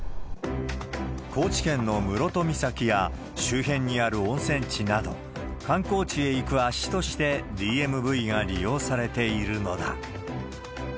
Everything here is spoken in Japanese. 高知県の室戸岬や、周辺にある温泉地など、観光地へ行く足として、ＤＭＶが利用されているのだ。